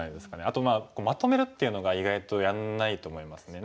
あとまとめるっていうのが意外とやんないと思いますね。